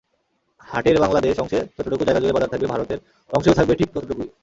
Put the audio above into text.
হাটের বাংলাদেশ অংশে যতটুকু জায়গাজুড়ে বাজার থাকবে, ভারতের অংশেও থাকবে ঠিক ততটুকুই।